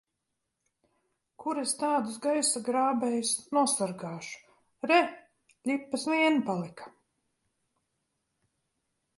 Kur es tādus gaisa grābējus nosargāšu! Re, ļipas vien palika!